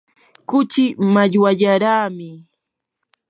kuchii mallwallaraami.